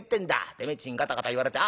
てめえっちにガタガタ言われてああ